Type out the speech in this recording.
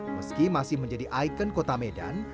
meski masih menjadi ikon kota medan